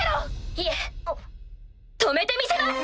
いえ止めてみせます！